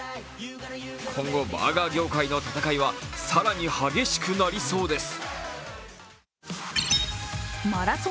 今後、バーガー業界の戦いは更に激しくなりそうです。